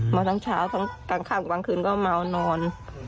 มาทั้งเช้าทั้งกลางค่ำกลางคืนก็เมานอน